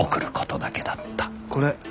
これ。